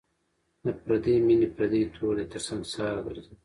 د پردۍ میني پردی تور دی تر سنگساره درځم